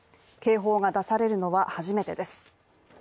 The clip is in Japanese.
警報が出されるのは初めてです。